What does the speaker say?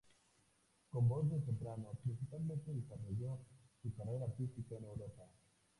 Con voz de soprano, principalmente desarrolló su carrera artística en Europa.